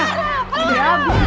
makasih kalau juga